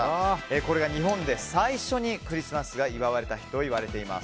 これが日本で最初にクリスマスが祝われた日と言われてます。